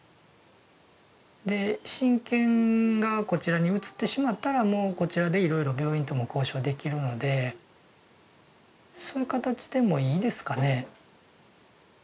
で親権がこちらに移ってしまったらもうこちらでいろいろ病院とも交渉できるのでそういう形でもいいですかね？